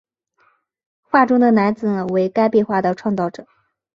画中的男子为该壁画的创作者。